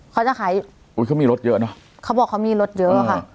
เขาจะขายอุ้ยเขามีรถเยอะเนอะเขาบอกเขามีรถเยอะอะค่ะ